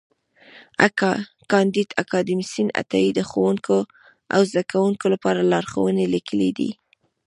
کانديد اکاډميسن عطایي د ښوونکو او زدهکوونکو لپاره لارښوونې لیکلې دي.